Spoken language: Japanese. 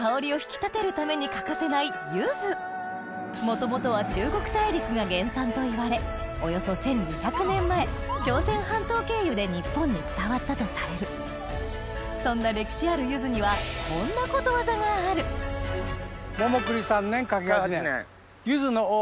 元々は中国大陸が原産といわれおよそ１２００年前朝鮮半島経由で日本に伝わったとされるそんな歴史あるゆずにはこんなという言葉がありまして。